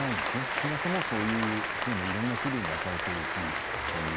そもそもそういうふうないろいろな種類に分かれているしという。